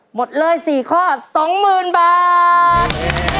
หมดเลย๔ข้อ๒๐๐๐บาท